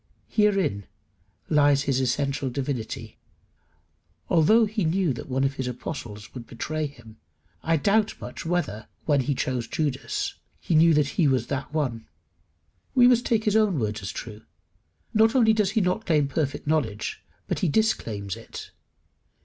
Herein lies his essential divinity. Although he knew that one of his apostles should betray him, I doubt much whether, when he chose Judas, he knew that he was that one. We must take his own words as true. Not only does he not claim perfect knowledge, but he disclaims it.